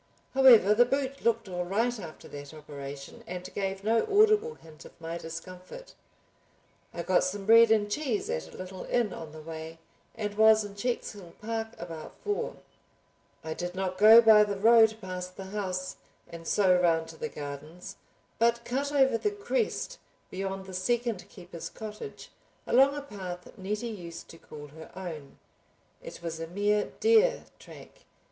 However, the boot looked all right after that operation and gave no audible hint of my discomfort. I got some bread and cheese at a little inn on the way, and was in Checkshill park about four. I did not go by the road past the house and so round to the gardens, but cut over the crest beyond the second keeper's cottage, along a path Nettie used to call her own. It was a mere deer track.